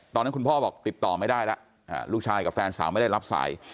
ตอนนั้นคุณพ่อบอกติดต่อไม่ได้แล้วลูกชายกับแฟนสาวไม่ได้รับสาย